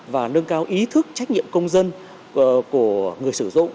và nâng cao ý thức trách nhiệm công dân của người sử dụng